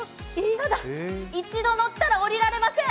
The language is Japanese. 一度乗ったら降りられません。